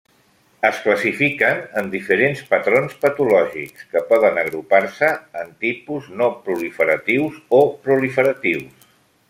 Es classifiquen en diferents patrons patològics, que poden agrupar-se en tipus no proliferatius o proliferatius.